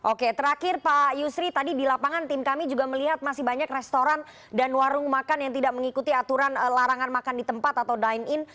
oke terakhir pak yusri tadi di lapangan tim kami juga melihat masih banyak restoran dan warung makan yang tidak mengikuti aturan larangan makan di tempat atau dine in